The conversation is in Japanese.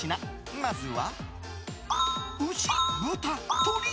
まずは。